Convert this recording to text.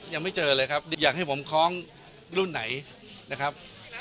ยังไม่เจอเลยครับอยากให้ผมคล้องรุ่นไหนนะครับ